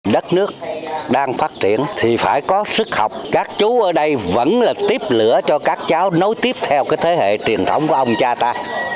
đất nước đang phát triển thì phải có sức học các chú ở đây vẫn là tiếp lửa cho các cháu nối tiếp theo thế hệ truyền thống của ông cha ta